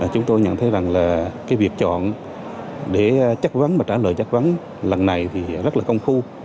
chúng tôi nhận thấy rằng việc chọn để chất vấn và trả lời chất vấn lần này rất là công khu